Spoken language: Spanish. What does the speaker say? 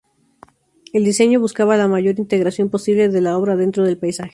El diseño buscaba la mayor integración posible de la obra dentro del paisaje.